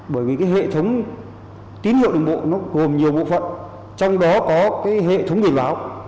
bởi vì cái hệ thống tín hiệu đường bộ nó gồm nhiều bộ phận trong đó có cái hệ thống biển báo